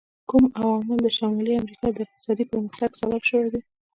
کوم عوامل د شمالي امریکا د اقتصادي پرمختګ سبب شوي دي؟